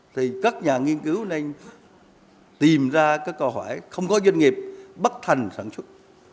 thì các nhà nghiên cứu nên tìm ra các câu hỏi không có doanh nghiệp bắt thành sản xuất